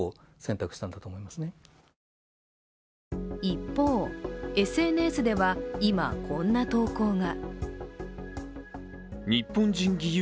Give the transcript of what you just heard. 一方、ＳＮＳでは今、こんな投稿が。